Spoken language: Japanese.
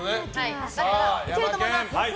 いけると思います！